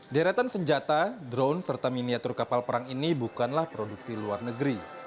deretan senjata drone serta miniatur kapal perang ini bukanlah produksi luar negeri